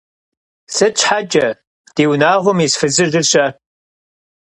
Сыт щхьэкӀэ, ди унагъуэм ис фызыжьыр-щэ?